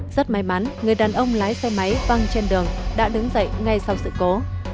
rất may mắn người đàn ông lái xe máy văng trên đường đã đứng dậy ngay sau sự cố